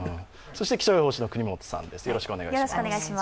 そして気象予報士の國本さんです。